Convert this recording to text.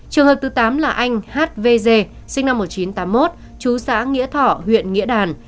trường hợp thứ tám là anh hvg sinh năm một nghìn chín trăm tám mươi một chú xã nghĩa thỏ huyện nghĩa đàn